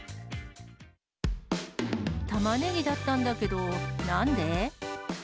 タマネギだったんだけど、なんで？